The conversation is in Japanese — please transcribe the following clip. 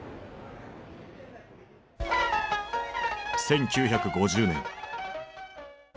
１９５０年。